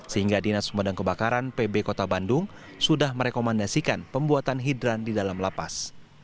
sehingga dinas pemadam kebakaran pb kota bandung sudah merekomendasikan pembuatan hidran di dalam lapas